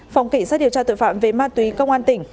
phòng cảnh sát điều tra tội phạm về ma túy công an tỉnh